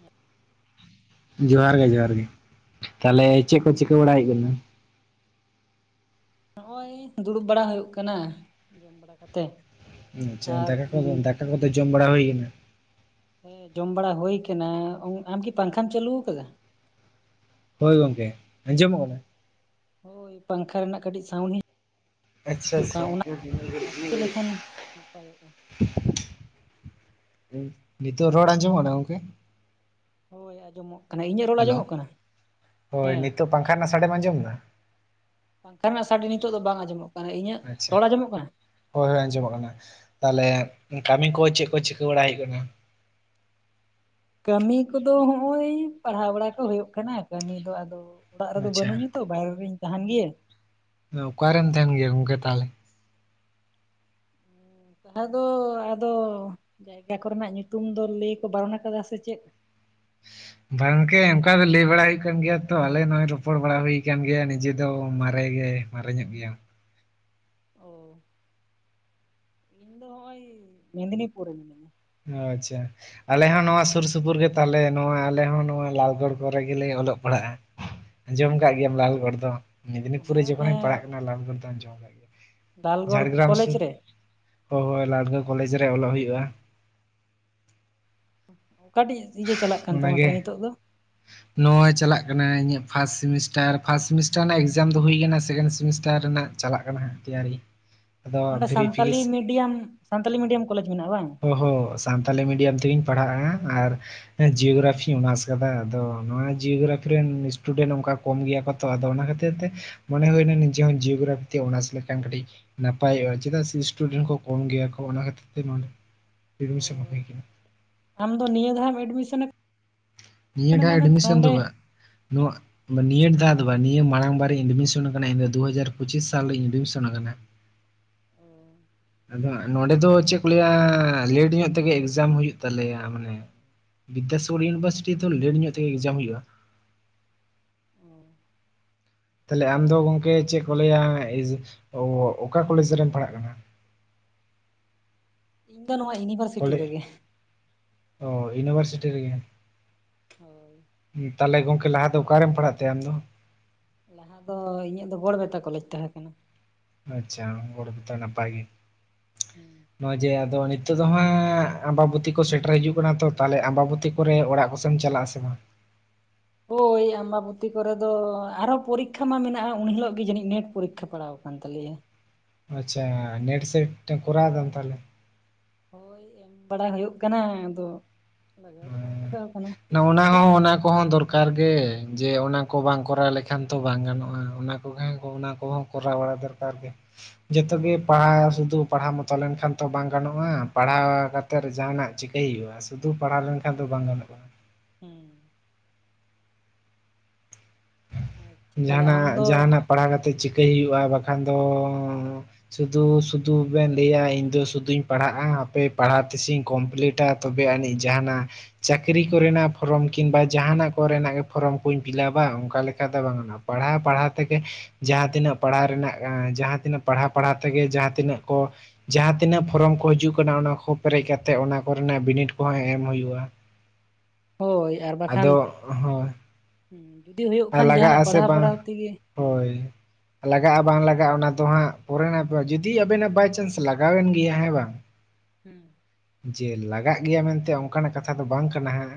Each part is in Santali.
ᱦᱮᱸ ᱡᱚᱦᱟᱨ ᱜᱮ ᱡᱚᱦᱟᱨ ᱜᱮ ᱛᱟᱦᱚᱞᱮ ᱪᱮᱫ ᱠᱚ ᱪᱤᱠᱟᱹ ᱵᱟᱹᱲᱟᱭᱮᱫ ᱠᱟᱱᱟ ᱱᱚᱜᱼᱚᱭ ᱫᱩᱲᱩᱵᱹ ᱵᱟᱹᱲᱟ ᱦᱩᱭᱩᱼᱜ ᱠᱟᱱᱟ ᱡᱚᱢ ᱵᱟᱹᱲᱟ ᱠᱟᱛᱮᱼᱜ ᱟᱪᱷᱟ ᱫᱟᱠᱟᱹ ᱠᱚ ᱫᱟᱠᱟᱹ ᱠᱚᱫᱚᱹ ᱡᱚᱢ ᱵᱟᱹᱲᱟ ᱦᱩᱭᱹ ᱠᱟᱱᱟ ᱦᱮᱸ ᱡᱚᱢ ᱵᱟᱹᱲᱟ ᱦᱳᱭ ᱠᱟᱱᱟ ᱟᱢᱹᱠᱤ ᱯᱟᱝᱹᱠᱷᱟᱟᱢ ᱪᱟᱹᱟᱞᱩ ᱠᱟᱫᱟ ᱾ ᱦᱳᱭ ᱜᱚᱝᱹᱠᱮ ᱟᱸᱡᱚᱢᱚᱼᱜ ᱠᱟᱱᱟ ᱦᱳᱭ ᱯᱟᱝᱹᱠᱷᱟ ᱨᱮᱱᱟᱼᱜ ᱠᱟᱹᱴᱤᱡ ᱥᱟᱣᱩᱱᱰᱹ ᱟᱪᱪᱷᱟ ᱟᱼᱭᱩ ᱠᱟᱱ ᱚᱱᱟ ᱟᱪᱪᱷᱟ ᱟᱥᱛᱮ ᱞᱮᱹᱠᱷᱟᱱ ᱱᱟᱯᱟᱭᱚᱜᱼᱟ ᱱᱤᱛᱚᱼᱜ ᱨᱚᱲᱹ ᱟᱸᱡᱚᱢᱚᱸᱜ ᱠᱟᱱᱟ ᱱᱟ ᱜᱚᱝᱹᱠᱮ ᱦᱳᱭ ᱟᱸᱡᱚᱢᱚᱼᱜ ᱠᱟᱱᱟ ᱤᱧᱟᱹᱜ ᱨᱚᱲ ᱟᱸᱡᱚᱢᱚᱼᱜ ᱠᱟᱱᱟ ᱦᱮᱸ ᱯᱟᱝᱹᱠᱷᱟ ᱨᱮᱹᱱᱟᱹ ᱥᱟᱹᱰᱮᱢ ᱟᱸᱡᱚᱢ ᱮᱫᱟᱹ ᱯᱟᱝᱹᱠᱷᱟᱸ ᱨᱮᱹᱱᱟ ᱥᱟᱹᱰᱤ ᱱᱤᱛᱚᱼᱜ ᱫᱚ ᱵᱟᱝ ᱟᱸᱡᱚᱢᱚᱼᱜ ᱠᱟᱱᱟ ᱤᱧᱟᱹᱜ ᱟᱪᱪᱷᱟ ᱨᱚᱲᱹ ᱟᱸᱡᱚᱢᱚᱼᱜ ᱠᱟᱱᱟ ᱦᱳᱭ ᱦᱳᱭ ᱟᱸᱡᱚᱢᱚᱼᱜ ᱠᱟᱱᱟ ᱛᱟᱦᱚᱸᱞᱮ ᱠᱟᱹᱢᱤ ᱠᱚ ᱪᱮᱫ ᱠᱚ ᱪᱤᱠᱟᱹ ᱵᱟᱲᱟᱼᱭ ᱦᱩᱭᱩᱼᱜ ᱠᱟᱱᱟ ᱠᱟᱹᱢᱤ ᱠᱚᱫᱚᱹ ᱦᱚᱜ ᱚᱭ ᱯᱟᱲᱦᱟᱣ ᱵᱟᱹᱲᱟ ᱠᱚ ᱦᱩᱭᱩᱼᱜ ᱠᱟᱱᱟ ᱠᱟᱹᱢᱤ ᱫᱚ ᱟᱼᱫᱚ᱾ ᱚᱲᱟᱼᱜ ᱨᱮᱫᱚ ᱵᱟᱹᱱᱩᱧ ᱟᱪᱪᱷᱟ ᱛᱚ ᱵᱟᱭᱨᱮ ᱨᱧ ᱛᱟᱦᱮᱸᱱ ᱜᱮᱭ. ᱚᱠᱟᱨᱮᱢ ᱛᱟᱦᱮᱸᱱ ᱜᱤᱭᱟ ᱜᱚᱝᱹᱠᱮ ᱛᱟᱦᱞᱮ ᱛᱟᱦᱚᱸ ᱫᱚ ᱟᱼᱫᱚ ᱡᱟᱭᱜᱼᱟ ᱠᱚᱹᱨᱮᱱᱟᱼᱜ ᱧᱩᱛᱩᱢ ᱫᱚ ᱞᱟᱹᱭ ᱠᱚ ᱵᱟᱹᱨᱚᱱᱟᱹ ᱟᱼᱠᱟᱫᱟ ᱥᱮ ᱪᱮᱫ [inaudible] ᱵᱟᱝᱹᱠᱮ ᱚᱱᱠᱟ ᱫᱚ ᱞᱟᱹᱭ ᱵᱟᱹᱲᱟ ᱦᱩᱭᱩᱼᱜ ᱠᱟᱱ ᱜᱮᱼᱭᱟ ᱛᱚ ᱟᱼᱞᱮ ᱱᱚᱦᱚᱼᱭ ᱨᱚᱯᱚᱲᱹ ᱵᱟᱹᱲᱟ ᱦᱩᱭᱹ ᱠᱟᱱᱟᱱ ᱜᱮᱼᱭᱟ ᱱᱤᱡᱮ ᱫᱚ ᱢᱟᱨᱮᱸ ᱜᱮ ᱢᱟᱨᱮ ᱧᱚᱜ ᱜᱮᱭᱟᱢ ᱚ ᱤᱧᱚ ᱫᱚ ᱦᱚᱜᱼᱚᱭ ᱢᱮᱸᱫᱱᱤᱯᱩᱨᱚᱨᱮ ᱢᱤᱱᱟᱧᱚᱟ ᱟᱪᱪᱷᱟ ᱟᱞᱮᱦ ᱱᱚᱣᱟ ᱥᱩᱨ ᱥᱩᱯᱩᱨ ᱜᱮ ᱛᱟᱞᱮ ᱟᱞᱮ ᱦᱚᱸᱱᱚᱣᱟ ᱟᱞᱮ ᱦᱚᱸ ᱱᱚᱣᱟ ᱞᱟᱞᱜᱚᱲ ᱠᱚᱨᱮ ᱜᱮᱞᱮ ᱚᱞᱚᱜ ᱯᱟᱲᱦᱟᱜᱼᱟ ᱟᱸᱡᱚᱢ ᱟᱠᱟᱟᱜ ᱜᱮᱭᱟᱢ ᱞᱟᱞ ᱜᱚᱲ ᱫᱚ ᱢᱮᱫᱽᱱᱤᱯᱩᱨ ᱨᱮ ᱦᱮᱸ ᱡᱚᱠᱷᱚᱱᱤᱧ ᱦᱮᱸ ᱯᱟᱲᱦᱟᱜ ᱠᱟᱱᱟ ᱞᱟᱞ ᱫᱚᱢ ᱟᱡᱚᱢ ᱠᱟᱜ ᱜᱮᱭᱟ ᱰᱟᱞᱜᱚᱲ ᱡᱷᱟᱲᱜᱨᱟᱢ ᱠᱚᱞᱮᱡᱽ ᱥᱩᱨ ᱨᱮ ᱦᱚ ᱦᱚᱭ ᱞᱟᱲᱠᱟ ᱠᱚᱞᱮᱡᱽ ᱨᱮ ᱚᱞᱚᱜ ᱦᱩᱭᱩᱜᱼᱟ ᱚᱠᱟᱴᱤᱡ ᱤᱭᱟᱹ ᱪᱟᱞᱟᱜ ᱠᱟᱱ ᱛᱟᱢᱟ ᱛᱟᱦᱞᱮ ᱱᱤᱛᱚᱜ ᱫᱚ ᱱᱚᱚᱭ ᱪᱟᱞᱟᱜ ᱠᱟᱱᱟ ᱤᱧᱟᱹᱜ ᱯᱷᱟᱥᱴ ᱥᱮᱢᱤᱥᱴᱟᱨ ᱯᱷᱟᱥᱴ ᱥᱮᱢᱤᱥᱴᱟᱨ ᱨᱮᱱᱟᱜ ᱮᱠᱡᱟᱢ ᱫᱚ ᱦᱩᱭ ᱠᱟᱱᱟ ᱥᱮᱠᱮᱱᱰ ᱥᱮᱢᱤᱥᱴᱟᱨ ᱨᱮᱱᱟᱜ ᱪᱟᱞᱟᱜ ᱠᱟᱱᱟ ᱦᱟᱺ ᱛᱮᱭᱟᱨᱤ ᱟᱫᱚ ᱚᱸᱰᱮ ᱥᱟᱱᱛᱟᱞᱤ ᱵᱷᱮᱨᱤᱯᱷᱤᱠᱮᱥ ᱢᱤᱰᱤᱭᱟᱢ ᱥᱟᱱᱛᱟᱞᱤ ᱢᱤᱰᱤᱭᱟᱢ ᱠᱚᱞᱮᱡᱽ ᱢᱮᱱᱟᱜᱼᱟ ᱵᱟᱝ [unintelligible] ᱥᱟᱱᱛᱟᱲᱤ ᱢᱤᱰᱤᱭᱟᱢ ᱛᱮᱜᱮᱧ ᱯᱟᱲᱦᱟᱜᱼᱟ ᱟᱨ ᱦᱮᱸ ᱡᱤᱭᱳᱜᱨᱟᱯᱷᱤ ᱚᱱᱟᱥ ᱠᱟᱫᱟ ᱟᱫᱚ, ᱱᱚᱣᱟ ᱡᱤᱭᱳᱜᱨᱟᱯᱷᱤ ᱨᱮᱱ ᱤᱥᱴᱩᱰᱮᱱᱴ ᱚᱱᱠᱟ ᱠᱚᱢ ᱜᱮᱭᱟ ᱠᱚ ᱾ ᱛᱚ ᱟᱫᱚ ᱚᱱᱟ ᱠᱷᱟᱹᱛᱤᱨ ᱛᱮ ᱢᱚᱱᱮ ᱦᱩᱭᱮᱱᱟ ᱱᱤᱡᱮ ᱦᱚ ᱡᱤᱭᱳᱜᱨᱟᱯᱷᱤ ᱛᱮ ᱚᱱᱟᱥ ᱞᱮᱠᱷᱟᱱ ᱠᱟᱹᱴᱤᱡ ᱱᱟᱯᱟᱭᱚᱜᱼᱟ ᱪᱮᱫᱟᱜ ᱥᱮ ᱥᱴᱩᱰᱮᱱᱴ ᱠᱚ ᱠᱚᱢ ᱜᱮᱭᱟ ᱠᱚ, ᱚᱱᱟ ᱠᱷᱟᱹᱛᱤᱨ ᱛᱮ ᱱᱚᱰᱮ ᱮᱰᱢᱤᱥᱚᱱ ᱦᱩᱭ ᱠᱟᱱᱟ‌᱾ ᱟᱢ ᱫᱚ ᱱᱤᱭᱟᱹ ᱫᱷᱟᱣ ᱮᱢ ᱮᱰᱢᱤᱥᱚᱱ ᱠᱟᱱᱟ ᱱᱤᱭᱟᱹᱴᱟᱜ ᱢᱟᱱᱮ ᱮᱰᱢᱤᱥᱚᱱ ᱫᱚ ᱱᱚᱰᱮ ᱵᱟ ᱱᱚᱣᱟ ᱱᱤᱭᱟᱹ ᱫᱷᱟᱣ ᱫᱚ ᱵᱟ, ᱱᱤᱭᱟᱹ ᱢᱟᱲᱟᱝ ᱵᱟᱨᱤᱧ ᱮᱰᱢᱤᱥᱚᱱ ᱟᱠᱟᱱᱟ ᱤᱧ ᱫᱚ ᱫᱩ ᱦᱟᱡᱟᱨ ᱯᱚᱸᱪᱤᱥ ᱥᱟᱞ ᱨᱤᱧ ᱮᱰᱢᱤᱥᱚᱱ ᱠᱟᱱᱟ ᱾ ᱚ ᱾ ᱟᱫᱚ ᱦᱟᱸᱜ ᱱᱚᱸᱰᱮ ᱫᱚ ᱪᱮᱫ ᱠᱚ ᱞᱟᱹᱭᱟ ᱞᱮᱴ ᱧᱚᱜ ᱛᱮᱜᱮ ᱮᱠᱡᱟᱢ ᱦᱩᱭᱩᱜ ᱛᱟᱞᱮᱭᱟ ᱢᱟᱱᱮ, ᱵᱤᱫᱽᱫᱟ ᱥᱟᱜᱚᱨ ᱤᱭᱩᱱᱤᱵᱷᱟᱨᱥᱤᱴᱤ ᱫᱚ ᱞᱮᱹᱴ ᱧᱚᱜ ᱛᱮᱜᱮ ᱮᱠᱡᱟᱢ ᱦᱩᱭᱩᱜᱼᱟ, ᱚ ᱛᱟᱦᱞᱮ ᱟᱢ ᱫᱚ ᱜᱚᱝᱠᱮ ᱪᱮᱫ ᱠᱚ ᱞᱟᱹᱭᱟ [unintelligible] ᱚᱠᱟ ᱠᱚᱞᱮᱡᱽ ᱨᱮᱢ ᱯᱟᱲᱦᱟᱜ ᱠᱟᱱᱟ? ᱤᱧ ᱫᱚ ᱱᱚᱣᱟ ᱤᱭᱩᱱᱤᱵᱷᱟᱨᱥᱤᱴᱤ ᱠᱚᱞᱮ ᱨᱮᱜᱮ, ᱚ ᱤᱭᱩᱱᱤᱵᱷᱟᱨᱥᱤᱴᱤ ᱨᱮᱜᱮ, ᱦᱳᱭ ᱾ ᱛᱟᱦᱚᱞᱮ ᱜᱚᱢᱠᱮ ᱞᱟᱦᱟ ᱫᱚ ᱚᱠᱟ ᱨᱮᱢ ᱯᱟᱲᱦᱟᱜ ᱛᱟᱦᱮᱸᱜᱼᱟ ᱟᱢ ᱫᱚ? ᱞᱟᱦᱟ ᱫᱚ ᱤᱧᱟᱹᱜ ᱫᱚ ᱜᱚᱲᱵᱮᱛᱟ ᱠᱚᱞᱮᱡᱽ ᱛᱟᱸᱦᱮ ᱠᱟᱱᱟ᱾ ᱟᱪᱪᱷᱟ ᱜᱚᱲᱵᱮᱛᱟ ᱱᱟᱯᱟᱭ ᱜᱮ᱾ ᱦᱮᱸ ᱱᱚᱜᱚᱭ ᱡᱮ ᱟᱫᱚ ᱱᱤᱛᱚᱜ ᱫᱚ ᱦᱟᱸᱜ ᱟᱢᱵᱟᱵᱚᱛᱤ ᱠᱚ ᱥᱮᱴᱮᱨ ᱦᱤᱡᱩᱜ ᱠᱟᱱᱟ ᱛᱚ ᱛᱟᱦᱚᱞᱮ ᱟᱢᱵᱟᱵᱚᱛᱤ᱾ ᱠᱚᱨᱮ ᱚᱲᱟᱜ ᱠᱚᱥᱮᱢ ᱪᱟᱞᱟᱜᱼᱟ ᱥᱮ ᱵᱟᱝ᱾ ᱦᱳᱭ ᱟᱢᱵᱟᱵᱚᱛᱤ ᱠᱚᱨᱮ ᱫᱚ ᱟᱨ ᱦᱚᱸ ᱯᱚᱨᱤᱠᱠᱷᱟ ᱢᱟ ᱢᱮᱱᱟᱜᱼᱟ ᱩᱱ ᱦᱤᱞᱳᱜ ᱜᱮ ᱡᱟᱹᱱᱤᱡ ᱱᱮᱴ ᱯᱚᱨᱤᱠᱠᱷᱟ ᱯᱟᱲᱟᱣ ᱟᱠᱟᱱ ᱛᱟᱞᱮᱭᱟ᱾ ᱟᱪᱪᱷᱟ ᱱᱮᱴ ᱥᱮᱴ ᱮᱢ ᱠᱚᱨᱟᱣ ᱫᱟᱢ ᱛᱟᱦᱚᱞᱮ᱾ ᱦᱳᱭ ᱮᱢ ᱵᱟᱲᱟ ᱦᱩᱭᱩᱜ ᱠᱟᱱᱟ ᱟᱫᱚ ᱞᱟᱜᱟᱣ ᱫᱚ ᱵᱟᱝ ᱞᱟᱜᱟᱣ ᱠᱟᱱᱟ ᱱᱚᱜ ᱚᱱᱟ ᱪᱮᱥᱴᱟᱨᱮ ᱦᱚᱸ ᱚᱱᱟ ᱠᱚᱦᱚᱸ ᱫᱚᱨ ᱠᱟᱨ ᱜᱮ, ᱡᱮ ᱚᱱᱟ ᱠᱚ ᱵᱟᱝ ᱠᱚᱨᱟᱣ ᱞᱮᱠᱷᱟᱱ ᱛᱚ ᱵᱟᱝ ᱜᱟᱱᱚᱜᱼᱟ ᱚᱱᱟ ᱠᱚᱜᱮ ᱚᱱᱟ ᱠᱚᱦᱚᱸ ᱠᱚᱨᱟᱣ ᱵᱟᱲᱟ ᱫᱚᱨᱠᱟᱨ ᱜᱮ᱾ [unintelligible] ᱡᱚᱛᱚ ᱜᱮ ᱦᱳᱭ ᱯᱟᱥ ᱫᱚ᱾ ᱯᱟᱲᱦᱟᱣ ᱢᱚᱛᱚ ᱞᱮᱱᱠᱷᱟᱱ ᱛᱚ ᱵᱟᱝ ᱜᱟᱱᱚᱜᱼᱟ, ᱯᱟᱲᱦᱟᱣ ᱠᱟᱛᱮᱫ ᱡᱟᱦᱟᱸᱱᱟᱜ ᱪᱤᱠᱟᱹᱭ ᱦᱩᱭᱩᱜᱼᱟ ᱥᱩᱫᱩ᱾ ᱯᱟᱲᱦᱟᱣ ᱞᱮᱱᱠᱷᱟᱱ ᱫᱚ ᱵᱟᱝ ᱜᱟᱱᱚᱜᱼᱟ᱾ ᱦᱩᱸ ᱟᱪᱪᱷᱟ ᱛᱟᱦᱚᱞᱮ ᱟᱢ ᱡᱟᱦᱟᱱᱟᱜ, ᱫᱚ ᱡᱟᱦᱟᱱᱟᱜ ᱯᱟᱲᱦᱟᱣ ᱠᱟᱛᱮ ᱪᱤᱠᱟᱹᱭ ᱦᱩᱭᱩᱜᱼᱟ ᱵᱟᱠᱷᱟᱱ ᱫᱚ᱾ ᱥᱩᱫᱷᱩ ᱥᱩᱫᱷᱩ ᱵᱮᱱ ᱞᱟᱹᱭᱟ ᱤᱧ ᱫᱚ ᱥᱩᱫᱩᱧ ᱯᱟᱲᱦᱟᱜᱼᱟ ᱦᱟᱯᱮ ᱯᱟᱲᱦᱟᱜ ᱛᱤᱥᱤᱧ ᱠᱚᱢᱯᱞᱤᱴᱟ ᱾ ᱛᱚᱵᱮ ᱟᱹᱱᱤᱡ ᱡᱟᱦᱟᱸᱱᱟᱜ ᱪᱟᱹᱠᱨᱤ ᱠᱚᱨᱮᱱᱟᱜ ᱯᱷᱨᱚᱢ ᱠᱤᱢᱵᱟ ᱡᱟᱦᱱᱟᱜ ᱠᱚᱨᱮᱱᱟᱜ ᱯᱷᱨᱚᱢ ᱠᱩᱧ ᱯᱷᱤᱞᱟᱯᱟ. ᱚᱱᱠᱟ ᱾ ᱚᱠᱟ ᱞᱮᱠᱟ ᱫᱚ ᱵᱟᱝ ᱜᱟᱱᱚᱜᱼᱟ ᱯᱟᱲᱦᱟᱣ ᱯᱟᱲᱦᱟᱣ ᱛᱮᱜᱮ ᱡᱟᱦᱟᱸ ᱛᱤᱱᱟᱹᱜ ᱯᱟᱲᱦᱟᱣ ᱨᱮᱱᱟᱜ ᱡᱟᱦᱟᱸ ᱛᱤᱱᱟᱹᱜ ᱯᱟᱲᱦᱟᱣ ᱯᱟᱲᱦᱟᱣ ᱛᱮᱜᱮ ᱡᱟᱦᱟᱸ ᱛᱤᱱᱟᱹᱜ ᱠᱚ ᱡᱟᱦᱟᱸ ᱛᱤᱱᱟᱹᱜ ᱯᱷᱚᱨᱚᱢ ᱠᱚ ᱦᱤᱡᱩᱜ ᱠᱟᱱᱟ, ᱚᱱᱟ ᱠᱚ ᱯᱮᱨᱮᱡ ᱠᱟᱛᱮ ᱚᱱᱟ ᱠᱚᱨᱮᱱᱟᱜ ᱵᱤᱱᱤᱰ ᱠᱚᱦᱚᱸ ᱮᱢ ᱦᱩᱭᱩᱜᱼᱟ ᱾ ᱦᱳᱭ ᱟᱨ ᱵᱟᱠᱷᱟᱱ ᱦᱳᱭ ᱦᱮᱸ, ᱡᱩᱫᱤ ᱦᱩᱭᱩᱜ ᱠᱷᱟᱱ ᱞᱟᱜᱟᱜ ᱡᱟᱦᱱᱟᱜ ᱟᱥᱮ ᱯᱟᱲᱦᱟᱣ ᱵᱟᱝ ᱯᱟᱲᱦᱟᱣ ᱛᱤᱜᱤ ᱦᱮᱸ ᱾ ᱦᱳᱭ ᱞᱟᱜᱟᱜᱼᱟ ᱵᱟᱝ ᱞᱟᱜᱟᱜᱼᱟ ᱚᱱᱟ ᱫᱚ ᱦᱟᱸᱜ ᱯᱚᱨᱮᱱᱟᱮ, ᱡᱩᱫᱤ ᱟᱵᱮᱱᱟᱜ ᱵᱟᱭᱪᱟᱱᱥ ᱞᱟᱜᱟᱣᱮᱱ ᱜᱮᱭᱟ ᱦᱮᱸ ᱵᱟᱝ ᱾ ᱦᱩᱸ ᱾ ᱡᱮ ᱞᱟᱜᱟᱜ ᱜᱮᱭᱟ ᱢᱮᱱᱛᱮ ᱚᱱᱠᱟᱱᱟᱜ ᱠᱟᱛᱷᱟ ᱫᱚ ᱵᱟᱝ ᱠᱟᱱᱟ ᱦᱟᱸᱜ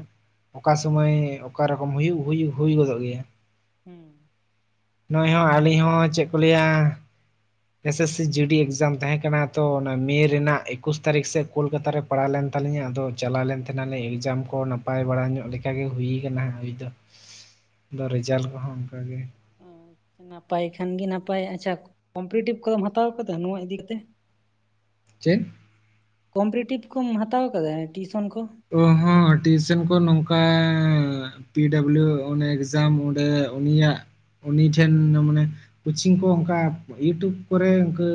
ᱚᱠᱟ ᱦᱩᱸ ᱥᱚᱢᱚᱭ ᱚᱠᱟ ᱨᱚᱠᱚᱢ ᱦᱩᱭᱩᱜ ᱦᱩᱭ ᱜᱚᱫᱚᱜ ᱜᱮᱭᱟ᱾ ᱦᱩᱸ ᱱᱚᱜᱼᱚᱭ ᱦᱚᱸ ᱟᱹᱞᱤᱧ ᱦᱚᱸ ᱪᱮᱫ ᱠᱚ ᱞᱟᱹᱭᱟ᱾ ᱮᱥᱮᱥᱥᱤ ᱡᱤᱰᱤ ᱮᱜᱡᱟᱢ ᱛᱟᱦᱮᱸ ᱠᱟᱱᱟ ᱛᱚ ᱚᱱᱟ ᱢᱮ ᱨᱮᱱᱟᱜ ᱮᱠᱩᱥ ᱛᱟᱹᱨᱤᱠᱷ ᱥᱮᱫ ᱠᱳᱞᱠᱟᱛᱟ ᱨᱮ ᱾ ᱯᱟᱲᱟᱣ ᱞᱮᱱ ᱛᱟᱞᱤᱧᱟ ᱟᱫᱚ ᱪᱟᱞᱟᱣ ᱞᱮᱱ ᱛᱟᱦᱮᱱᱟᱞᱮ ᱮᱠᱡᱟᱢ ᱠᱚ ᱱᱟᱯᱟᱭ ᱵᱟᱲᱟ ᱧᱚᱜ ᱞᱮᱠᱟᱜᱮ ᱦᱩᱭᱩᱭᱟᱠᱟᱱᱟᱜ ᱦᱩᱭ ᱫᱚ ᱾ ᱟᱫᱚ ᱨᱮᱡᱟᱞᱴ ᱠᱚᱦᱚᱸ ᱚᱱᱠᱟ ᱜᱮ ᱟᱪᱪᱷᱟ, ᱱᱟᱯᱟᱭ ᱠᱷᱟᱱ ᱜᱮ ᱱᱟᱯᱟᱭ ᱾ ᱟᱪᱪᱷᱟ, ᱠᱚᱢᱯᱤᱴᱤᱴᱤᱵᱷ ᱠᱚᱫᱢ ᱦᱟᱛᱟᱣ ᱠᱟᱫᱟ ᱱᱚᱣᱟ ᱤᱫᱤ ᱠᱟᱛᱮ ᱾ [inaudible] ᱪᱮᱫ? ᱠᱚᱢᱯᱨᱤᱴᱤᱵᱷ ᱠᱚᱢ ᱦᱟᱛᱟᱣ ᱟᱠᱟᱫᱟ ᱴᱤᱭᱩᱥᱚᱱ ᱠᱚ? ᱚ, ᱦᱚᱸ ᱾ ᱴᱤᱭᱩᱥᱮᱱ ᱠᱚ ᱱᱚᱝᱠᱟ ᱾ ᱯᱤ ᱰᱟᱵᱞᱤᱭᱩ ᱚᱱᱮ ᱮᱠᱡᱟᱢ ᱚᱸᱰᱮ ᱩᱱᱤᱭᱟᱜ ᱩᱱᱤ ᱴᱷᱮᱱ ᱢᱟᱱᱮ ᱠᱳᱪᱤᱝ ᱠᱚ ᱚᱱᱠᱟ ᱭᱩᱴᱩᱵᱽ ᱠᱚᱨᱮ ᱚᱱᱠᱟᱹ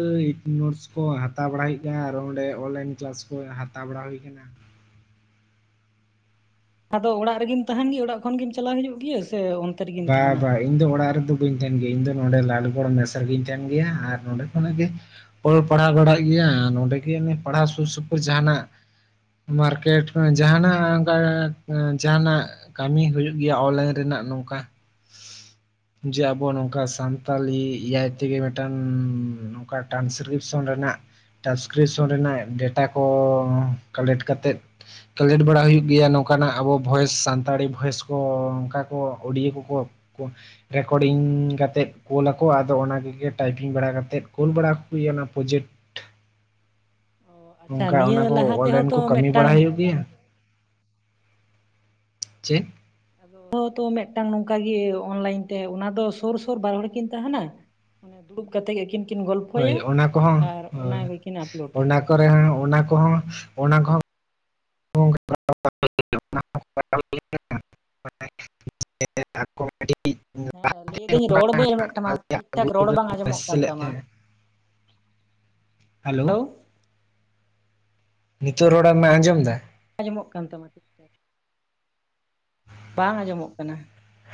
ᱱᱳᱴᱥ ᱠᱚ ᱦᱟᱛᱟᱣ ᱵᱟᱲᱟᱭ ᱦᱩᱭᱩᱜ ᱜᱮᱭ ᱟᱨ ᱚᱸᱰᱮ ᱚᱱᱞᱟᱭᱤᱱ ᱠᱞᱟᱥ ᱠᱚ ᱦᱟᱛᱟᱣ ᱵᱟᱲᱟ ᱦᱩᱭ ᱟᱠᱟᱱᱟ ᱾ ᱟᱫᱚ ᱚᱲᱟᱜ ᱨᱮᱜᱮᱢ ᱛᱟᱦᱮᱱ ᱜᱮ ᱚᱲᱟᱜ ᱠᱷᱚᱱ ᱜᱮᱢ ᱪᱟᱞᱟᱣ ᱦᱤᱡᱩᱜ ᱜᱮᱭᱟ ᱥᱮ ᱚᱱ ᱵᱟᱭ ᱵᱟᱭ ᱤᱧ ᱫᱚ ᱚᱲᱟᱜ ᱨᱮᱫᱚ ᱵᱟᱹᱧ ᱛᱟᱦᱮᱱ ᱜᱮᱭᱟ᱾ ᱤᱧ ᱫᱚ ᱱᱚᱰᱮ ᱞᱟᱞᱜᱚᱲ ᱢᱮᱥ ᱨᱮ ᱜᱤᱧ ᱛᱟᱦᱮᱱ ᱜᱮᱭᱟ ᱟᱨ ᱱᱚᱰᱮ ᱠᱷᱚᱱᱟᱜ ᱜᱮ ᱚᱞ ᱯᱟᱲᱦᱟᱣ ᱵᱟᱲᱟᱜ ᱜᱮᱭᱟ ᱱᱚᱸᱰᱮ ᱜᱮ ᱯᱟᱲᱦᱟᱣ ᱥᱩᱨ ᱥᱩᱯᱩᱨ ᱡᱟᱦᱟᱸᱱᱟᱜ ᱢᱟᱨᱠᱮᱴ ᱡᱟᱦᱟᱸᱱᱟᱜ ᱚᱱᱠᱟ ᱡᱟᱦᱟᱸᱱᱟᱜ ᱠᱟᱹᱢᱤ ᱦᱩᱭᱩᱜ ᱜᱮᱭᱟ ᱚᱱᱞᱟᱭᱤᱱ ᱨᱮᱱᱟᱜ ᱱᱚᱝᱠᱟ ᱾ [inaudible] ᱡᱮ ᱟᱵᱚ ᱱᱚᱝᱠᱟ ᱥᱟᱱᱛᱟᱞᱤ ᱮᱭᱟᱭ ᱛᱮᱜᱮ ᱢᱤᱫᱴᱟᱱ ᱱᱚᱝᱠᱟ ᱴᱟᱱᱥᱠᱨᱤᱯᱥᱚᱱ ᱨᱮᱱᱟᱜ ᱴᱟᱱᱠᱨᱤᱯᱥᱚᱱ ᱨᱮᱱᱟᱜ ᱰᱮᱴᱟ ᱠᱚ ᱠᱟᱞᱮᱠᱴ ᱠᱟᱛᱮᱫ ᱠᱟᱞᱮᱴ ᱵᱟᱲᱟ ᱦᱩᱭᱩᱜ ᱜᱮᱭᱟ ᱱᱚᱝᱠᱟᱱᱟᱜ ᱟᱵᱚ ᱵᱷᱚᱭᱮᱥ ᱥᱟᱱᱛᱟᱲᱤ ᱵᱷᱚᱭᱮᱥ ᱠᱚ ᱚᱱᱠᱟ ᱠᱚ ᱚᱰᱤᱭᱳ ᱠᱚ ᱠᱚ ᱠᱩᱥ ᱨᱮᱠᱚᱨᱰᱤᱝ ᱠᱟᱛᱮᱫ ᱠᱩᱞ ᱟᱠᱚ ᱟᱫᱚ ᱚᱱᱟ ᱠᱚᱜᱮ ᱴᱟᱭᱯᱤᱝ ᱵᱟᱲᱟ ᱠᱟᱛᱮᱫ ᱠᱩᱞ ᱵᱟᱲᱟ ᱠᱚ ᱦᱩᱭᱩᱜᱼᱟ ᱚᱱᱟ ᱯᱨᱚᱡᱮᱴ ᱾ ᱚ ᱟᱪᱪᱷᱟ ᱚᱱᱠᱟ ᱱᱤᱭᱟᱹ ᱚᱱᱟ ᱠᱚ ᱞᱟᱦᱟ ᱛᱮᱦᱚᱸ ᱚᱱᱞᱟᱭᱤᱱ ᱛᱚ ᱠᱚ ᱠᱟᱹᱢᱤ ᱵᱟᱲᱟ ᱢᱤᱫᱴᱟᱝ ᱦᱩᱭᱩᱜ ᱜᱮᱭᱟ ᱾ ᱪᱮᱫ? ᱟᱫᱚ ᱛᱚ ᱢᱤᱫᱴᱟᱝ ᱱᱚᱝᱠᱟᱜᱮ ᱚᱱᱞᱟᱭᱤᱱ ᱛᱮ ᱚᱱᱟ ᱫᱚ ᱥᱩᱨ ᱥᱩᱨ ᱵᱟᱨ ᱦᱚᱲ ᱠᱤᱱ ᱛᱟᱦᱮᱱᱟ ᱚᱱᱮ ᱫᱩᱲᱩᱵ ᱠᱟᱛᱮ ᱟᱹᱠᱤᱱ ᱠᱤᱱ ᱜᱚᱞᱯᱷᱚᱭᱟ ᱦᱳᱭ ᱚᱱᱟ ᱠᱚᱦᱚᱸ ᱟᱨ ᱚᱱᱟ ᱦᱳᱭ ᱜᱮ ᱠᱤᱱ ᱟᱯᱞᱳᱰᱟ ᱾ ᱚᱱᱟ ᱠᱚᱨᱮ ᱦᱚᱸ ᱚᱱᱟ ᱠᱚ ᱦᱚᱸ ᱚᱱᱟ ᱠᱚ ᱦᱚᱸ [unintelligible] [unintelligible] ᱦᱮᱸ, ᱞᱟᱹᱭᱫᱟᱹᱧ ᱨᱚᱲ ᱵᱟᱹᱧ ᱮᱢᱮᱫ ᱛᱟᱢᱟ ᱟᱞᱮᱭᱟᱜ ᱴᱷᱤᱠ ᱴᱷᱟᱠ ᱨᱚᱲ ᱜᱨᱩᱯ ᱵᱟᱝ ᱨᱮᱠᱚ ᱟᱸᱡᱚᱢᱚᱜ ᱢᱮᱥᱮᱡ ᱠᱟᱱ ᱞᱮᱫ ᱛᱟᱢᱟ ᱾ ᱛᱟᱦᱮᱸᱜ ᱦᱮᱞᱳ ᱾ ᱱᱤᱛᱚᱜ ᱨᱚᱲ ᱮᱢ ᱟᱸᱡᱚᱢ ᱫᱟ? ᱟᱸᱡᱚᱢᱚᱜ ᱠᱟᱱ ᱛᱟᱢᱟ ᱴᱷᱤᱠ ᱴᱷᱟᱠ ᱾ ᱵᱟᱝ ᱟᱸᱡᱚᱢᱚᱜ ᱠᱟᱱᱟ ᱾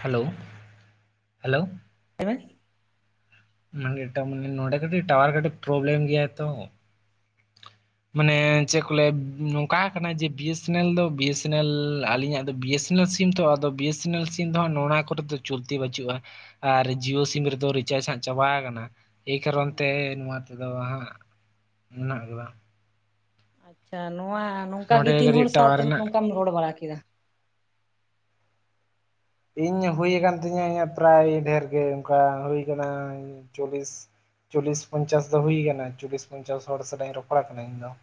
Hello hello. [unintelligible] ᱢᱟᱱᱮ ᱮᱴᱟ ᱢᱟᱱᱮ ᱱᱚᱰᱮ ᱴᱟᱣᱟᱨ ᱜᱟᱴᱤᱡ ᱯᱨᱳᱵᱞᱮᱢ ᱜᱮᱭᱟᱭ ᱛᱚ᱾ ᱢᱟᱱᱮ ᱪᱮᱫ ᱠᱚ ᱞᱟᱹᱭᱟ ᱱᱚᱝᱠᱟ ᱠᱟᱱᱟ ᱡᱮ ᱵᱤᱭᱮᱥᱮᱱᱮᱞ ᱫᱚ ᱵᱤᱭᱮᱥᱮᱱᱮᱞ ᱟᱞᱤᱧᱟᱜ ᱫᱚ ᱵᱤᱭᱮᱥ [unintelligible] ᱥᱤᱢ ᱛᱚ ᱟᱫᱚ ᱵᱤᱭᱮᱥᱮᱱᱮᱞ ᱥᱤᱢ ᱫᱚ ᱱᱚᱣᱟ ᱠᱚᱨᱮ ᱫᱚ ᱪᱚᱞᱛᱤ ᱵᱟᱹᱪᱩᱜᱼᱟ ᱟᱨ ᱡᱤᱭᱳ ᱥᱤᱢ ᱨᱮᱫᱚ ᱨᱤᱪᱟᱨᱡᱽ ᱦᱟᱸᱜ ᱪᱟᱵᱟ ᱠᱟᱱᱟ ᱮᱭ ᱠᱟᱨᱚᱱ ᱦᱮᱸ ᱛᱮ ᱱᱚᱣᱟ ᱛᱮᱫᱚ ᱦᱟᱸᱜ ᱢᱮᱱᱟᱜ ᱟᱠᱟᱫᱟ ᱟᱪᱪᱷᱟ᱾ ᱱᱚᱣᱟ ᱱᱚᱰᱮ ᱱᱚᱝᱠᱟᱜᱤ ᱛᱤᱱ ᱠᱟᱹᱴᱤᱡ ᱦᱚᱲ ᱴᱟᱣᱟᱨ ᱥᱟᱶᱛᱮ ᱨᱮᱱᱟᱜ ᱱᱚᱝᱠᱟᱢ ᱨᱚᱲ ᱵᱟᱲᱟ ᱠᱮᱫᱟ ᱤᱧ ᱦᱩᱭ ᱟᱠᱟᱱ ᱛᱤᱧᱟᱹ ᱤᱧᱟᱹᱜ ᱯᱨᱟᱭ ᱰᱷᱮᱨ ᱜᱮ ᱚᱱᱠᱟ ᱦᱩᱭ ᱠᱟᱱᱟ ᱪᱚᱞᱞᱤᱥ ᱪᱚᱞᱞᱤᱥ ᱯᱚᱸᱧᱪᱟᱥ ᱫᱚ ᱦᱩᱭ ᱠᱟᱱᱟ ᱪᱚᱞᱞᱤᱥ ᱯᱚᱸᱧᱪᱟᱥ ᱦᱚᱲ ᱥᱟᱞᱟᱜ ᱤᱧ ᱨᱚᱯᱚᱲ ᱠᱟᱱᱟ ᱤᱧ ᱫᱚ᱾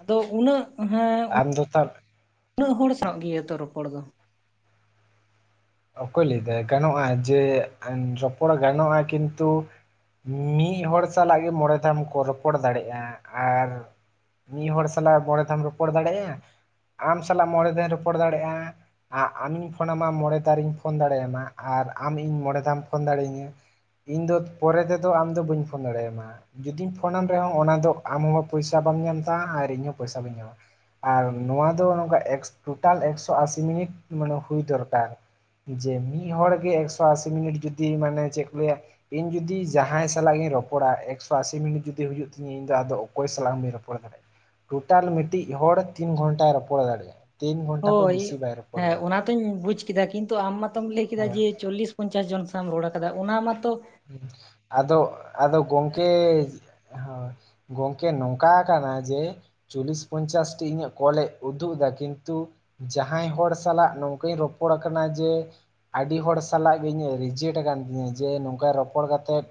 ᱟᱫᱚ ᱩᱱᱟᱹᱜ ᱦᱮᱸ ᱟᱢ ᱫᱚ ᱛᱟᱦᱚᱞᱮ ᱩᱱᱟᱹᱜ ᱦᱚᱲ ᱥᱟᱶ ᱜᱮ ᱛᱚ ᱨᱚᱯᱚᱲ ᱫᱚ ᱚᱠᱚᱭ ᱞᱟᱹᱭᱫᱟᱭ ᱜᱟᱱᱚᱜᱼᱟ ᱡᱮ ᱨᱚᱯᱚᱲ ᱜᱟᱱᱚᱜᱼᱟ ᱠᱤᱱᱛᱩ ᱢᱤ ᱢᱤᱫ ᱦᱚᱲ ᱥᱟᱞᱟᱜ ᱜᱮ ᱢᱚᱬᱮ ᱫᱷᱟᱹᱣ ᱠᱚᱢ ᱨᱚᱯᱚᱲ ᱫᱟᱲᱮᱭᱟᱜᱼᱟ ᱟᱨ ᱢᱤᱫ ᱦᱚᱲ ᱥᱟᱞᱟᱜ ᱢᱚᱬᱮ ᱫᱷᱟᱢ ᱨᱚᱯᱚᱲ ᱫᱟᱲᱮᱭᱟᱜᱼᱟ ᱾ ᱟᱢ ᱥᱟᱞᱟᱜ ᱢᱚᱬᱮᱸ ᱫᱷᱟᱹᱣ ᱨᱚᱯᱚᱲ ᱫᱟᱲᱮᱭᱟᱜᱼᱟ ᱟᱢᱤᱧ ᱯᱷᱳᱱ ᱟᱢᱟ ᱢᱚᱬᱮᱸ ᱫᱟᱨᱤᱧ ᱯᱷᱳᱱ ᱫᱟᱲᱮᱭᱟᱢᱟ ᱟᱨ ᱟᱢ ᱤᱧ ᱢᱚᱬᱮ ᱫᱷᱟᱣᱮᱢ ᱯᱷᱳᱱ ᱫᱟᱲᱮ ᱤᱧᱟᱹ ᱤᱧ ᱫᱚ ᱯᱚᱨᱮ ᱛᱮᱫᱚ ᱟᱢᱫᱚ ᱵᱟᱹᱧ ᱯᱷᱳᱱ ᱫᱟᱲᱮᱭᱟᱢᱟ ᱡᱩᱫᱤᱧ ᱯᱷᱳᱱᱟᱢ ᱨᱮᱦᱚᱸ ᱚᱱᱟ ᱫᱚ ᱟᱢ ᱦᱚᱸ ᱯᱚᱭᱥᱟ ᱵᱟᱢ ᱧᱟᱢ ᱫᱟ ᱟᱨ ᱤᱧᱦᱚᱸ ᱯᱚᱭᱥᱟ ᱵᱟᱹᱧ ᱧᱟᱢᱟ ᱟᱨ ᱱᱚᱣᱟ ᱫᱚ ᱱᱚᱝᱠᱟ ᱮᱠᱥ ᱴᱳᱴᱟᱞ ᱮᱠᱥᱚ ᱟᱥᱤ ᱢᱤᱱᱤᱴ ᱢᱟᱱᱮ ᱦᱩᱭ ᱫᱚᱨᱠᱟᱨ ᱡᱮ ᱢᱤᱫ ᱦᱚᱲ ᱜᱮ ᱮᱠᱥᱚ ᱟᱥᱤ ᱢᱤᱱᱤᱴ ᱡᱩᱫᱤ ᱢᱟᱱᱮ ᱪᱮᱫ ᱠᱚ ᱞᱟᱹᱭᱟ ᱤᱧ ᱡᱩᱫᱤ ᱡᱟᱦᱟᱸᱭ ᱥᱟᱞᱟᱜ ᱜᱤᱧ ᱨᱚᱯᱚᱲᱟ ᱮᱠᱥᱚ ᱟᱥᱤ ᱢᱤᱱᱴ ᱡᱩᱫᱤ ᱦᱩᱭᱩᱜ ᱛᱤᱧᱟᱹ ᱤᱧ ᱫᱚ ᱟᱫᱚ ᱚᱠᱚᱭ ᱥᱟᱞᱟᱜ ᱦᱚᱸ ᱵᱟᱹᱧ ᱨᱚᱯᱚᱲ ᱫᱟᱲᱮᱭᱟᱜᱼᱟ ᱴᱳᱴᱟᱞ ᱢᱤᱫᱴᱤᱡ ᱦᱚᱲ ᱛᱤᱱ ᱜᱷᱚᱱᱴᱟᱭ ᱨᱚᱯᱚᱲ ᱫᱟᱲᱮᱭᱟᱜᱼᱟ ᱛᱤᱱ ᱜᱷᱚᱱᱴᱟ ᱠᱷᱚᱡ ᱦᱳᱭ ᱵᱮᱥᱤ ᱵᱟᱭ ᱨᱚᱯᱚᱲ ᱦᱮᱸ ᱫᱟᱲᱮᱭᱟᱜᱼᱟ ᱚᱱᱟ ᱛᱚᱧ ᱵᱩᱡ ᱠᱮᱫᱟ ᱠᱤᱱᱛᱩ ᱟᱢ ᱢᱟᱛᱚᱢ ᱞᱟᱹᱭ ᱠᱮᱫᱟ ᱦᱳᱭ ᱡᱮ ᱪᱚᱞᱞᱤᱥ ᱯᱚᱧᱪᱟᱥ ᱡᱚᱱ ᱥᱟᱢ ᱨᱚᱲ ᱠᱟᱫᱟ ᱚᱱᱟ ᱢᱟᱛᱚ ᱟᱫᱚ ᱟᱫᱚ ᱜᱚᱝᱠᱮ ᱦᱳᱭ [inaudible] ᱜᱚᱝᱠᱮ ᱱᱚᱝᱠᱟ ᱠᱟᱱᱟ ᱡᱮ ᱪᱚᱞᱞᱤᱥ ᱯᱚᱧᱪᱟᱥᱴᱤ ᱤᱧᱟᱹᱜ ᱠᱚᱞᱮ ᱩᱫᱩᱜ ᱮᱫᱟ ᱠᱤᱱᱛᱩ ᱡᱟᱦᱟᱸᱭ ᱦᱚᱲ ᱥᱟᱞᱟᱜ ᱱᱚᱝᱠᱟᱧ ᱨᱚᱯᱚᱲ ᱠᱟᱱᱟ ᱡᱮ ᱟᱹᱰᱤ ᱦᱚᱲ ᱥᱟᱞᱟᱜ ᱜᱮ ᱤᱧᱟᱜ ᱨᱤᱡᱮᱠᱴ ᱟᱠᱟᱱ ᱛᱤᱧᱟᱹ ᱡᱮ ᱱᱚᱝᱠᱟ ᱨᱚᱯᱚᱲ ᱠᱟᱛᱮᱫ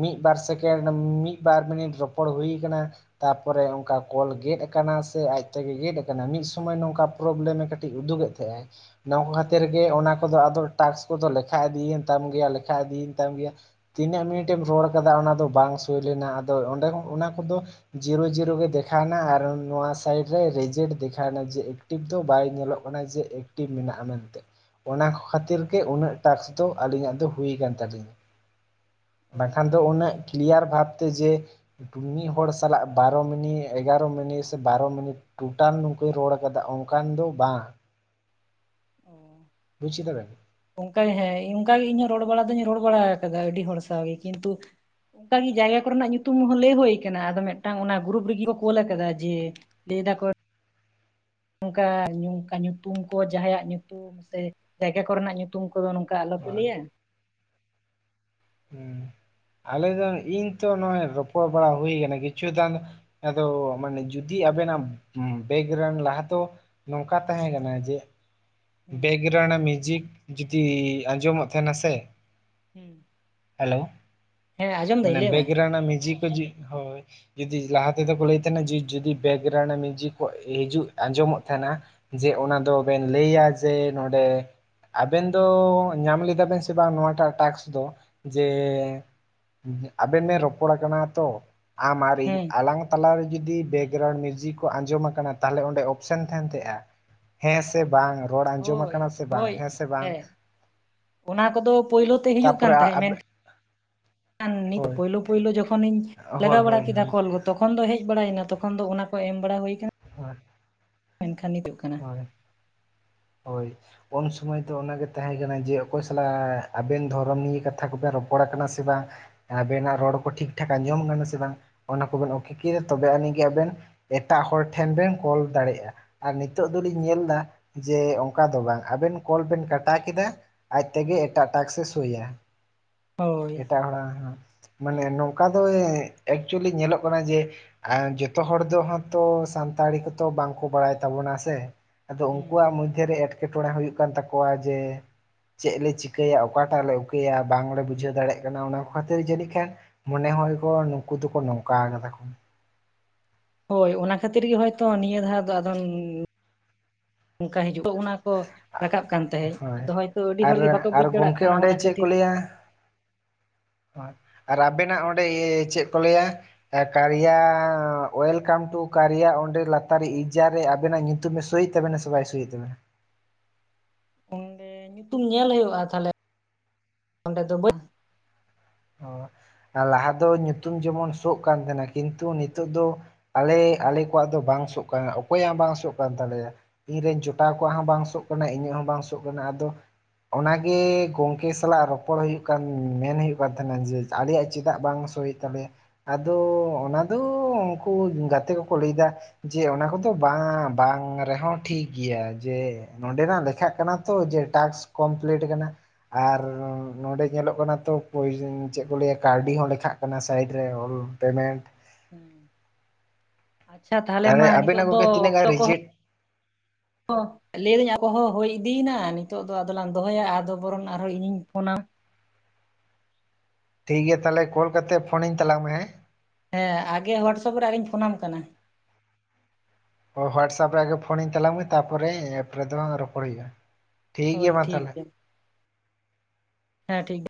ᱢᱤᱫ ᱵᱟᱨ ᱥᱮᱠᱮᱱᱰ ᱢᱤᱫ ᱵᱟᱨ ᱢᱤᱱᱤᱴ ᱨᱚᱯᱚᱲ ᱦᱩᱭ ᱠᱟᱱᱟ ᱛᱟᱨᱯᱚᱨᱮ ᱚᱱᱠᱟ ᱠᱚᱞ ᱜᱮᱫ ᱠᱟᱱᱟ ᱥᱮ ᱟᱡ ᱛᱮᱜᱮ ᱜᱮᱫ ᱠᱟᱱᱟ ᱢᱤᱫ ᱥᱚᱢᱚᱭ ᱱᱚᱝᱠᱟ ᱯᱨᱚᱵᱞᱮᱢ ᱮ ᱠᱟᱹᱴᱤᱡ ᱩᱫᱩᱜ ᱮ ᱛᱟᱦᱮᱸᱜᱼᱟ ᱱᱚᱝ ᱦᱳᱭ ᱠᱷᱟᱹᱛᱤᱨ ᱜᱮ ᱚᱱᱟ ᱠᱚᱫᱚ ᱟᱫᱚ ᱴᱟᱠᱥ ᱠᱚᱫᱚ ᱞᱮᱠᱷᱟ ᱤᱫᱤᱭᱮᱱ ᱛᱟᱢ ᱜᱮᱭᱟ ᱞᱮᱠᱷᱟ ᱤᱫᱤ ᱜᱮᱭᱟ ᱛᱤᱱᱟᱹᱜ ᱢᱤᱱᱤᱴᱮᱢ ᱨᱚᱲ ᱠᱟᱫᱟ ᱚᱱᱟ ᱫᱚ ᱵᱟᱝ ᱥᱳᱭ ᱞᱮᱱᱟ ᱟᱫᱚ ᱚᱸᱰᱮ ᱚᱱᱟ ᱠᱚᱫᱚ ᱡᱤᱨᱳ ᱡᱤᱨᱳ ᱜᱮ ᱫᱮᱠᱷᱟᱣᱱᱟ ᱟᱨ ᱱᱚᱶᱟ ᱥᱟᱭᱤᱰ ᱨᱮ ᱨᱮᱡᱮᱴ ᱫᱮᱠᱷᱟᱣᱱᱟ ᱡᱮ ᱴᱤᱵᱽ ᱫᱚ ᱵᱟᱭ ᱧᱮᱞᱚᱜ ᱠᱟᱱᱟ ᱡᱮ ᱮᱠᱴᱤᱵᱽ ᱢᱮᱱᱟᱜᱼᱟ ᱢᱮᱱᱛᱮ ᱚᱱᱟ ᱠᱚ ᱠᱷᱟᱹᱛᱤᱨ ᱜᱮ ᱩᱱᱟᱹᱜ ᱴᱟᱥᱠ ᱫᱚ ᱟᱹᱞᱤᱧᱟᱜ ᱫᱚ ᱦᱩᱭ ᱠᱟᱱ ᱛᱟᱞᱤᱧᱟ ᱵᱟᱠᱷᱟᱱ ᱫᱚ ᱩᱱᱟᱹᱜ ᱠᱞᱤᱭᱟᱨ ᱵᱷᱟᱵᱽᱛᱮ ᱡᱮ ᱢᱤᱫ ᱦᱚᱲ ᱥᱟᱞᱟᱜ ᱵᱟᱨᱚ ᱢᱤᱱᱤ ᱮᱜᱟᱨᱚ ᱢᱤᱱᱤᱴ ᱥᱮ ᱵᱟᱨᱚ ᱢᱤᱱᱤᱴ ᱴᱳᱴᱟᱞ ᱱᱚᱝᱠᱚᱭ ᱨᱚᱲ ᱠᱟᱫᱟ ᱚᱱᱠᱟᱱ ᱫᱚ ᱵᱟᱝ [inaudible] ᱵᱩᱡ ᱠᱮᱫᱟᱵᱤᱱ ᱚᱱᱠᱟᱜᱮ ᱦᱮᱸ ᱚᱱᱠᱟᱜᱮ ᱤᱧ ᱦᱚᱸ ᱨᱚᱲ ᱵᱟᱲᱟ ᱫᱩᱧ ᱨᱚᱲ ᱵᱟᱲᱟ ᱠᱟᱫᱟ ᱟᱹᱰᱤ ᱦᱚᱲ ᱥᱟᱶᱜ ᱜᱮ ᱠᱤᱱᱛᱩ ᱚᱱᱠᱟᱜᱮ ᱡᱟᱭᱜᱟ ᱠᱚᱨᱮᱱᱟᱜ ᱧᱩᱛᱩᱢ ᱦᱚᱸ ᱞᱟᱹᱭ ᱦᱳᱭ ᱠᱟᱱᱟ ᱟᱫᱚ ᱢᱤᱫᱴᱟᱝ ᱚᱱᱟ ᱜᱨᱩᱯ ᱨᱮᱜᱮ ᱠᱚ ᱠᱳᱞ ᱠᱟᱫᱟ ᱡᱮ ᱫᱟᱹᱭ ᱫᱟ ᱠᱚ ᱱᱚᱝᱠᱟ ᱱᱚᱝᱠᱟ ᱧᱩᱛᱩᱢ ᱠᱚ ᱡᱟᱦᱟᱸᱭᱟᱜ ᱧᱩᱛᱩᱢ ᱥᱮ ᱡᱟᱭᱜᱟ ᱠᱚᱨᱮᱱᱟᱜ ᱧᱩᱛ ᱛᱩᱢ ᱠᱚᱫᱚ ᱱᱚᱝᱠᱟ ᱟᱞᱚᱯᱮ ᱦᱳᱭ ᱞᱟᱹᱭᱟ ᱦᱮᱸ ᱟᱞᱮ ᱫᱚ ᱤᱧ ᱛᱚ ᱱᱚᱜᱼᱚᱭ ᱨᱚᱯᱚᱲ ᱵᱟᱲᱟ ᱦᱩᱭ ᱠᱤᱪᱷᱩ ᱫᱟᱱ ᱟᱫᱚ ᱢᱟᱱᱮ ᱡᱩᱫᱤ ᱟᱵᱮᱱᱟᱜ ᱵᱮᱜᱨᱮᱱ ᱞᱟᱦᱟ ᱫᱚ ᱱᱚᱝᱠᱟ ᱛᱟᱦᱮᱸ ᱠᱟᱱᱟ ᱡᱮ ᱦᱮᱸ ᱵᱮᱠᱜᱨᱟᱣᱩᱱᱰ ᱢᱤᱭᱩᱡᱤᱠ ᱡᱩᱫᱤ ᱟᱸᱡᱚᱢᱚᱜ ᱛᱟᱦᱮᱱᱟ ᱥᱮ ᱦᱮᱸ ᱦᱮᱞᱳ ᱦᱮᱸ ᱟᱸᱡᱚᱢ ᱫᱟᱹᱧ ᱢᱟᱱᱮ ᱞᱟᱹᱭ ᱢᱮ ᱵᱮᱜᱨᱟᱣᱱᱰ ᱨᱮᱱᱟᱜ ᱢᱩᱡᱤᱠ ᱠᱚ ᱡᱤᱠ ᱦᱳᱭ ᱡᱩᱫᱤ ᱞᱟᱦᱟ ᱛᱮᱫᱚ ᱠᱚ ᱞᱟᱹᱭ ᱛᱟᱦᱮᱱᱟ ᱡᱩᱫᱤ ᱵᱮᱜᱨᱟᱣᱩᱱᱰ ᱢᱤᱭᱡᱩ ᱠᱚ ᱦᱤᱡᱩᱜ ᱟᱸᱡᱚᱢᱚᱜ ᱛᱟᱦᱮᱱᱟ ᱡᱮ ᱚᱱᱟ ᱫᱚᱵᱱ ᱞᱟᱹᱭᱟ ᱡᱮ ᱱᱚᱸᱰᱮ ᱟᱵᱮᱱ ᱫᱚ ᱧᱟᱢ ᱞᱮᱫᱟ ᱵᱮᱱ ᱥᱮ ᱵᱟᱝ ᱱᱚᱣᱟᱴᱟᱜ ᱴᱟᱠᱥ ᱫᱚ? ᱡᱮ ᱟᱵᱮᱱ ᱵᱮᱱ ᱨᱚᱯᱚᱲ ᱟᱠᱟᱱᱟ ᱛᱚ ᱟᱢ ᱟᱨ ᱤᱧ ᱦᱮᱸ ᱟᱞᱟᱝ ᱛᱟᱞᱟᱨᱮ ᱡᱩᱫᱤ ᱵᱮᱜᱨᱟᱣᱩᱱᱰ ᱢᱤᱭᱩᱡᱤᱠ ᱠᱚ ᱟᱸᱡᱚᱢᱟ ᱟᱠᱟᱱᱟ ᱛᱟᱦᱚᱞᱮ ᱚᱸᱰᱮ ᱚᱯᱥᱮᱱ ᱛᱟᱦᱮ ᱛᱟᱭᱟ᱾ ᱦᱮᱸ ᱥᱮ ᱵᱟᱝ ᱨᱚᱲ ᱟᱸᱡᱚᱢ ᱦᱳᱭ ᱟᱠᱟᱱᱟ ᱥᱮ ᱵᱟᱝ ᱦᱳᱭ ᱦᱮᱸ ᱥᱮ ᱵᱟᱝ ᱚᱱᱟ ᱠᱚᱫᱚ ᱯᱳᱭᱞᱳ ᱛᱮ ᱦᱤᱡᱩᱜ ᱠᱟᱱ ᱛᱟᱯᱚᱨᱮ ᱛᱟᱦᱮᱸᱫ ᱢᱮᱱ ᱠᱷᱟᱱ ᱱᱤᱛ ᱦᱳᱭ ᱯᱩᱭᱞᱩ ᱯᱳᱭᱞᱳ ᱡᱚᱠᱷᱚᱱᱤᱧ ᱦᱳᱭ ᱞᱟᱜᱟᱣ ᱵᱟᱲᱟ ᱦᱳᱭ ᱠᱮᱫᱟ ᱦᱳᱭ ᱠᱚᱞ ᱠᱚ ᱛᱚᱠᱷᱚᱱ ᱫᱚ ᱦᱮᱡ ᱵᱟᱲᱟᱭᱱᱟ ᱛᱚᱠᱷᱚᱱ ᱫᱚ ᱚᱱᱟ ᱠᱚ ᱮᱢ ᱵᱟᱲᱟ ᱦᱩᱭ ᱟᱠᱟᱱᱟ᱾ ᱟᱨ ᱢᱮᱱᱠᱷᱟᱱ ᱦᱤᱡᱩᱜ ᱠᱟᱱ ᱦᱳᱭ ᱩᱱ ᱥᱚᱢᱚᱭ ᱫᱚ ᱚᱱᱟᱜᱮ ᱛᱟᱦᱮᱸ ᱠᱟᱱᱟ ᱡᱮ ᱚᱠᱚᱭ ᱥᱟᱞᱟᱜ ᱟᱵᱮᱱ ᱫᱷᱚᱨᱚᱢ ᱱᱤᱭ ᱠᱟᱛᱷᱟ ᱠᱚᱵᱮᱱ ᱨᱚᱯᱚᱲ ᱠᱟᱱᱟ ᱥᱮ ᱵᱟᱝ? ᱟᱵᱮᱱᱟᱜ ᱨᱚᱲ ᱠᱚ ᱴᱷᱤᱠ ᱴᱷᱟᱠ ᱟᱸᱡᱚᱢ ᱠᱟᱱᱟ ᱥᱮ ᱵᱟᱝ ᱚᱱᱟ ᱠᱚᱵᱮᱱ ᱚᱠᱮ ᱠᱮᱜᱼᱟ ᱛᱚᱵᱮ ᱟᱹᱱᱤᱡ ᱜᱮ ᱟᱵᱮᱱ ᱮᱴᱟᱜ ᱦᱚᱲ ᱴᱷᱮᱱ ᱵᱮᱱ ᱠᱚᱞ ᱫᱟᱲᱮᱜᱼᱟ ᱟᱨ ᱱᱤᱛ ᱱᱤᱛᱚᱜ ᱫᱚᱞᱤᱧ ᱧᱮᱞᱫᱟ ᱡᱮ ᱚᱝᱠᱟ ᱫᱚ ᱵᱟᱝ ᱟᱵᱮᱱ ᱠᱚᱞ ᱵᱮᱱ ᱠᱟᱴᱟᱣ ᱠᱮᱫᱟ ᱟᱡ ᱦᱩᱸ ᱛᱮᱜᱮ ᱮᱴᱟᱜ ᱴᱟᱠᱥ ᱮ ᱥᱳᱭᱟ ᱦᱳᱭ ᱮᱴᱟᱜ ᱦᱚᱲᱟᱜ [unintelligible] ᱢᱟᱱᱮ ᱦᱮᱸ ᱱᱚᱝᱠᱟ ᱫᱚ ᱮᱠᱪᱩᱭᱮᱞᱤ ᱧᱮᱞᱚᱜ ᱠᱟᱱᱟ ᱡᱮ ᱟᱨ ᱡᱚᱛᱚ ᱦᱚᱲ ᱫᱚ ᱦᱚᱸᱛᱚ ᱥᱟᱱᱛᱟᱲᱤ ᱠᱚᱛᱚ ᱵᱟᱝᱠᱚ ᱵᱟᱲᱟᱭ ᱛᱟᱵᱚᱱᱟ᱾ ᱥᱮ ᱟᱫᱚ ᱦᱩᱸ ᱩᱝᱠᱩᱣᱟᱜ ᱢᱚᱫᱷᱮᱨᱮ ᱮᱸᱴᱠᱮᱴᱚᱬᱮ ᱦᱩᱭᱩᱜ ᱠᱟᱱ ᱛᱟᱠᱚᱣᱟ ᱡᱮ ᱪᱮᱜ ᱞᱮ ᱪᱤᱠᱟᱹᱭᱟ ᱚᱠᱟᱴᱟᱜ ᱞᱮ ᱚᱠᱮᱭᱟ ᱵᱟᱝᱞᱮ ᱵᱩᱡᱷᱟᱹᱣ ᱫᱟᱲᱮᱜ ᱠᱟᱱᱟ ᱚᱱᱟ ᱠᱚ ᱠᱷᱟᱹᱛᱤᱨ ᱡᱟᱹᱱᱤ ᱠᱷᱟᱱ ᱢᱚᱱᱮ ᱦᱚᱭ ᱠᱚᱜᱼᱟ ᱱᱩᱝᱠᱩ ᱫᱚᱠᱚ ᱱᱚᱝᱠᱟ ᱠᱟᱫᱟ ᱠᱚ᱾ ᱦᱳᱭ ᱚᱱᱟ ᱠᱷᱟᱹᱛᱤᱨ ᱜᱮ ᱦᱚᱭᱛᱚ ᱱᱤᱭᱟᱹ ᱫᱷᱟᱣ ᱫᱚ ᱟᱫᱚᱱ ᱚᱝᱠᱟ ᱦᱤᱡᱩᱜ ᱚᱱᱟ ᱠᱚ ᱨᱟᱠᱟᱵ ᱠᱟᱱ ᱛᱟᱦᱮᱸᱜ ᱦᱳᱭ ᱟᱫᱚ ᱦᱚᱭᱛᱚ ᱟᱹᱰᱤ ᱟᱨ ᱦᱚᱲ ᱜᱮ ᱵᱟᱠᱚ ᱟᱨ ᱵᱩᱡ ᱫᱟᱲᱮᱜ ᱜᱚᱝᱠᱮ ᱠᱟᱱᱟ ᱚᱸᱰᱮ ᱚᱱᱟ ᱪᱮᱫ ᱠᱷᱟᱹᱛᱤᱨ᱾ ᱦᱚᱭ ᱟᱨ ᱟᱵᱮᱱᱟᱜ ᱚᱸᱰᱮ ᱪᱮᱜ ᱠᱚ ᱞᱟᱹᱭᱟ ᱮ ᱠᱟᱨᱤᱭᱟ ᱚᱭᱮᱞᱠᱟᱢ ᱴᱩ ᱠᱟᱨᱤᱭᱟ ᱚᱸᱰᱮ ᱞᱟᱛᱟᱨ ᱤᱡᱡᱟᱨ ᱨᱮ ᱟᱵᱤᱱᱟᱜ ᱧᱤ ᱛᱩᱢᱮ ᱥᱳᱹᱭᱮᱜ ᱛᱟᱵᱮᱱᱟ ᱥᱮ ᱵᱟᱭ ᱥᱳᱹᱭᱮᱜ ᱛᱟᱵᱮᱱᱟ? ᱚᱸᱰᱮ ᱧᱩᱛᱩᱢ ᱧᱮᱞ ᱦᱩᱭᱩᱜᱼᱟ ᱛᱟᱦᱞᱮ ᱚᱸᱰᱮ ᱫᱚ ᱵᱟᱹ ᱚ ᱟᱨ ᱞᱟᱦᱟ ᱫᱚ ᱧᱩᱛᱩᱢ ᱡᱮᱢᱚᱱ ᱥᱳᱜ ᱠᱟᱱ ᱛᱟᱦᱮᱱᱟ, ᱠᱤᱱᱛᱩ ᱱᱤᱛᱚᱜ ᱫᱚ ᱟᱞᱮ ᱟᱞᱮ ᱠᱚᱣᱟᱜ ᱫᱚ ᱵᱟᱝ ᱥᱳᱜ ᱠᱟᱱᱟ ᱚᱠᱚᱭᱟᱜ ᱵᱟᱝ ᱥᱳᱜ ᱠᱟᱱ ᱛᱟᱞᱮᱭᱟ᱾ ᱤᱧ ᱨᱮᱱ ᱡᱚᱴᱟᱣ ᱠᱚᱣᱟᱜ ᱦᱚᱸ ᱵᱟᱝ ᱥᱳᱜ ᱠᱟᱱᱟ ᱤᱧᱟᱹᱜ ᱦᱚᱸ ᱵᱟᱝ ᱥᱚᱜ ᱠᱟᱱᱟ᱾ ᱟᱫᱚ ᱚᱱᱟᱜᱮ ᱜᱚᱝᱠᱮ ᱥᱟᱞᱟᱜ ᱨᱚᱯᱚᱲ ᱦᱩᱭᱩᱜ ᱠᱟᱱ ᱢᱮᱱ ᱦᱩᱭᱩᱜ ᱠᱟᱱ ᱛᱟᱦᱮᱱᱟ ᱡᱮ ᱟᱞᱮᱭᱟᱜ ᱪᱮᱫᱟᱜ ᱵᱟᱝ ᱥᱳᱭᱮᱜ ᱛᱟᱞᱮᱭᱟᱭ? ᱟᱫᱚ ᱚᱱᱟ ᱫᱚ ᱩᱝᱠᱩ ᱜᱟᱛᱮ ᱠᱚᱠᱚ ᱞᱟᱹᱭᱫᱟ ᱡᱮ ᱚᱱᱟ ᱠᱚᱫᱚ ᱵᱟᱝ ᱵᱟᱝ ᱨᱮᱦᱚᱸ ᱴᱷᱤᱠ ᱜᱮᱭᱟ ᱡᱮ ᱱᱚᱸᱰᱮᱱᱟᱜ ᱞᱮᱠᱷᱟᱜ ᱠᱟᱱᱟ ᱛᱚ ᱡᱮ ᱴᱟᱥᱠ ᱠᱚᱢᱯᱞᱤᱴ ᱠᱟᱱᱟ᱾ ᱟᱨ ᱱᱚᱸᱰᱮ ᱧᱮᱞᱚᱜ ᱠᱟᱱᱟ ᱛᱚ ᱯᱩᱭ ᱪᱮᱜ ᱠᱚ ᱞᱟᱹᱭᱟ ᱠᱟᱹᱣᱰᱤ ᱦᱚᱸ ᱞᱮᱠᱷᱟᱜ ᱠᱟᱱᱟ ᱥᱟᱭᱤᱰ ᱨᱮ ᱚᱞ ᱯᱮᱢᱮᱱᱴ᱾ ᱦᱩᱸ ᱟᱪᱪᱷᱟ ᱛᱟᱦᱞᱮ ᱛᱟᱦᱚᱞᱮ ᱢᱟ ᱱᱤᱛᱳ ᱟᱵᱤᱱᱟᱜ ᱫᱚ ᱜᱚᱝᱠᱮ ᱛᱤᱱᱟᱹᱜ ᱜᱟᱱ ᱚᱠᱛᱚ ᱠᱚᱦᱚᱸ ᱨᱤᱡᱮᱠᱴ ᱚ ᱞᱟᱹᱭᱫᱟᱹᱧ ᱟᱠᱚ ᱦᱚᱸ ᱦᱩᱭ ᱤᱫᱤᱭᱱᱟ ᱱᱤᱛᱚᱜ ᱫᱚ ᱟᱫᱚᱞᱟᱝ ᱫᱚᱦᱚᱭᱟ ᱟᱫᱚ ᱵᱚᱨᱚᱱ ᱟᱨᱦᱚᱸ ᱤᱧᱤᱧ ᱯᱷᱳᱱᱟᱢ᱾ ᱴᱷᱤᱠ ᱜᱮᱭᱟ ᱛᱟᱦᱚᱞᱮ ᱠᱚᱞ ᱠᱟᱛᱮ ᱯᱷᱳᱱᱤᱧ ᱛᱟᱞᱟᱝ ᱢᱮ ᱦᱮᱸ᱾ ᱦᱮᱸ ᱟᱜᱮ ᱦᱚᱣᱟᱴᱥᱟᱯ ᱨᱮ ᱟᱨᱤᱧ ᱯᱷᱳᱱᱟᱢ ᱠᱟᱱᱟ᱾ ᱚ ᱦᱚᱣᱟᱴᱥᱟᱯ ᱨᱮ ᱟᱜᱮ ᱯᱷᱳᱱᱤᱧ ᱛᱟᱞᱟᱝ ᱢᱮ ᱛᱟᱯᱚᱨᱮ ᱮᱯ ᱨᱮᱫᱚ ᱨᱚᱯᱚᱲ ᱦᱩᱭᱩᱜᱼᱟ, ᱴᱷᱤᱠ ᱜᱮᱭᱟ ᱢᱟ ᱛᱟᱦᱞᱮ᱾ ᱦᱮᱸ ᱴᱷᱤᱠ ᱾